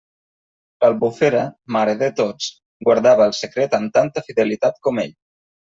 L'Albufera, mare de tots, guardava el secret amb tanta fidelitat com ell.